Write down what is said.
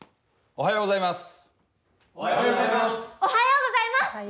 おはようございます。